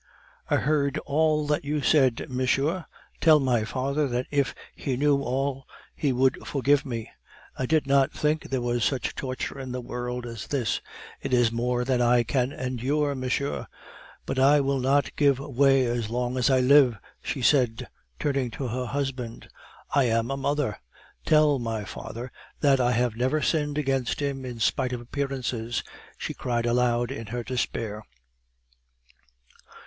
"I heard all that you said, monsieur. Tell my father that if he knew all he would forgive me.... I did not think there was such torture in the world as this; it is more than I can endure, monsieur! But I will not give way as long as I live," she said, turning to her husband. "I am a mother. Tell my father that I have never sinned against him in spite of appearances!" she cried aloud in her despair.